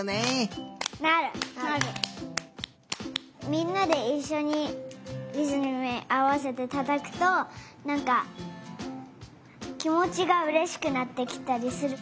みんなでいっしょにリズムにあわせてたたくとなんかきもちがうれしくなってきたりする。